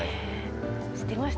知ってました？